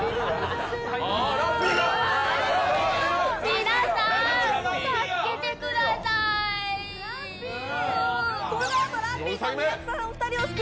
皆さーん、助けてくださーい、う。